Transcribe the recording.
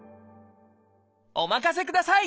お任せください。